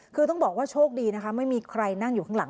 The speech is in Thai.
คือต้องบอกว่าโชคดีนะคะไม่มีใครนั่งอยู่ข้างหลัง